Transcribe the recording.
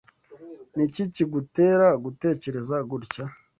Ni iki kigutera gutekereza gutya?